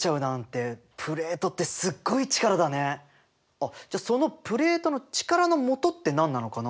あっじゃそのプレートの力のもとって何なのかな？